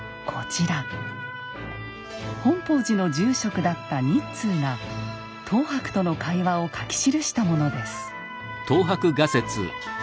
本法寺の住職だった日通が等伯との会話を書き記したものです。